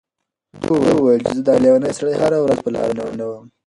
ده وويل چې زه دا لېونی سړی هره ورځ په لاړو لندوم.